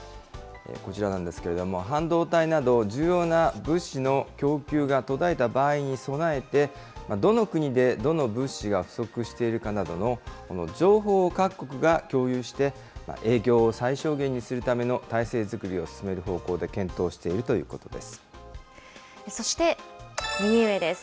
こちらなんですけれども、半導体など重要な物資の供給が途絶えた場合に備えて、どの国でどの物資が不足しているかなどの情報を各国が共有して、影響を最小限にするための体制づくりを進める方向で検討しているそして、右上です。